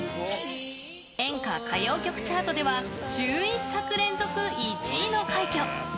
演歌・歌謡曲チャートでは１１作連続１位の快挙。